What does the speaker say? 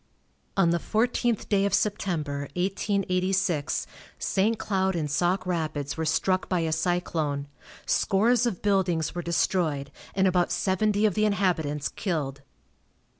On the fourteenth day of September, 1886, St. Cloud and Sauk Rapids were struck by a cyclone. Scores of buildings were destroyed, and about seventy of the inhabitants killed.